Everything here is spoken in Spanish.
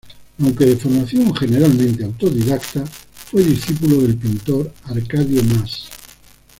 Aunque de formación generalmente autodidacta, fue discípulo del pintor Arcadio Mas.